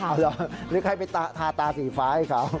เอาเหรอหรือใครไปทาตาสีฟ้าให้เขา